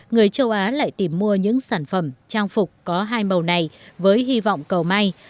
người châu á lại tìm mua những sản phẩm trang phục có hai màu này với hy vọng cầu may